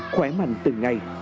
khỏe mạnh từng ngày